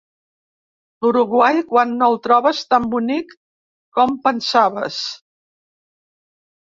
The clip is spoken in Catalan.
L'Uruguai quan no el trobes tan bonic com pensaves.